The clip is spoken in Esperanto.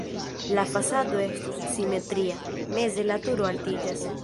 La fasado estus simetria, meze la turo altiĝas.